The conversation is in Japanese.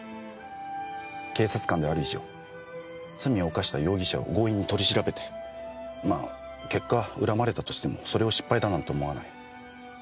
警察官である以上罪を犯した容疑者を強引に取り調べてまあ結果恨まれたとしてもそれを失敗だなんて思わない。